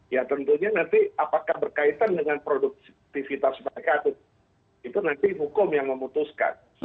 ya tentunya nanti apakah berkaitan dengan produktivitas mereka atau itu nanti hukum yang memutuskan